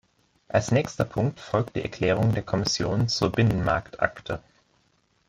Als nächster Punkt folgt die Erklärung der Kommission zur Binnenmarktakte.